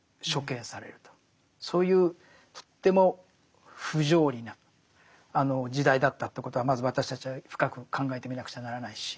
そういうとっても不条理な時代だったということはまず私たちは深く考えてみなくちゃならないし。